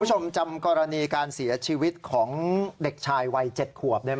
จำกรณีการเสียชีวิตของเด็กชายวัย๗ขวบได้ไหม